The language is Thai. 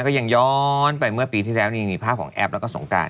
ก็ยังย้อนไปเมื่อปีที่แล้วนี่มีภาพของแอปแล้วก็สงการ